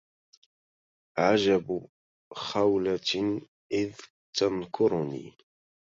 عجب خولة إذ تنكرني